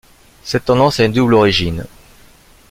Cette tendance a une double origine.